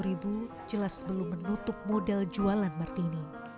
rp tiga puluh satu jelas belum menutup modal jualan martini